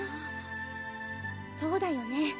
そうだよね